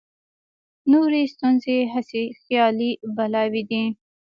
نورې ستونزې هسې خیالي بلاوې دي.